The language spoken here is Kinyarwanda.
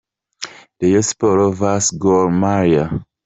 -: Rayon Sport vs Gor Mahia.